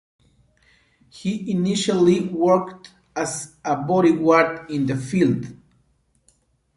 He initially worked as a bodyguard in the field.